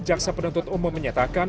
jaksa penuntut umum menyatakan